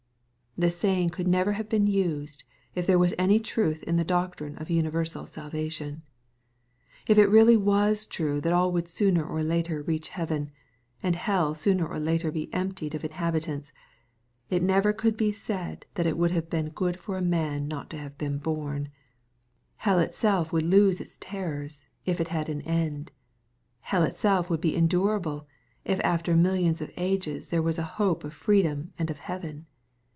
This saying could never have been used, if there was any truth in the doctrine of universal salvation. If it really was true that all would sooner or later reach heaven, and hell sooner or later be emptied of inhabi tants, it never could be said that it would have been " good for a man not to have been bom." Hell itself would lose its terrors, if it had an end. Hell itself would be endurable, if after millions of ages there was a hope of freedom and of heaven.